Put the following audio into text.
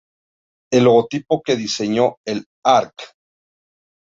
El logotipo que diseñó el Arq.